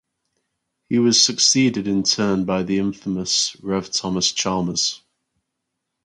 He was succeeded in turn by the infamous Rev Thomas Chalmers.